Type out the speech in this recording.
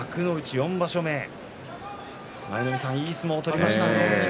４場所目舞の海さん、いい相撲でしたね。